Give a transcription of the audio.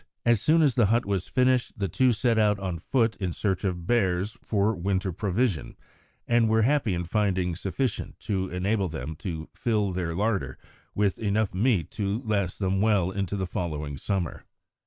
As soon as the hut was finished the two set out on foot in search of bears for winter provisions, and were happy in finding sufficient to enable them to fill their larder with enough meat to last them well into the following summer.